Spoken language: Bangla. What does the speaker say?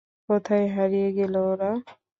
কোথায় হারিয়ে গেল ওরা।